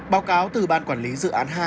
báo cáo từ ban quản lý dự án hai